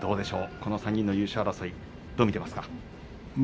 この３人の優勝争い、どう見ていますか？